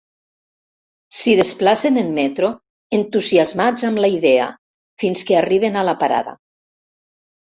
S'hi desplacen en metro, entusiasmats amb la idea, fins que arriben a la parada.